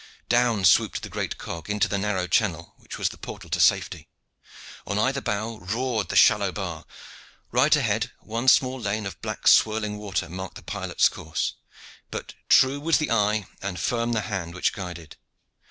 Down swooped the great cog into the narrow channel which was the portal to safety. On either bow roared the shallow bar. Right ahead one small lane of black swirling water marked the pilot's course. But true was the eye and firm the hand which guided.